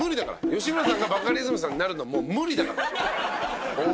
吉村さんがバカリズムさんになるのはもう無理だから。